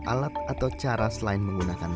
alat atau cara selain menggunakan